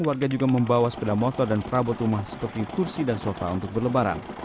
warga juga membawa sepeda motor dan perabot rumah seperti tursi dan sofa untuk berlebaran